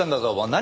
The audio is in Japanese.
何？